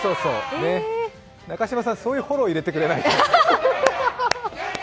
中島さん、そういうフォロー入れてくれないと。